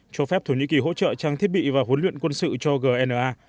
cho phép thổ nhĩ kỳ hỗ trợ trang thiết bị và huấn luyện quân sự cho gna